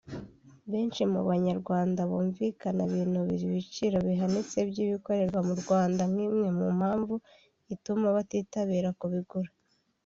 Benshi mu Banyarwanda bumvikana binubira ibiciro bihanitse by’ibikorerwa mu Rwanda nk’imwe mu mpamvu ituma batitabira kubigura